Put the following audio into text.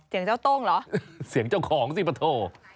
เจ้าโต้งเหรอเสียงเจ้าของสิปะโถ